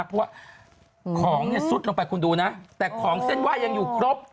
เพราะว่าของเนี่ยซุดลงไปคุณดูนะแต่ของเส้นไหว้ยังอยู่ครบ